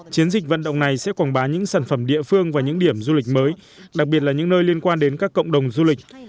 chiến dịch vận động này sẽ quảng bá những sản phẩm địa phương và những điểm du lịch mới đặc biệt là những nơi liên quan đến các cộng đồng du lịch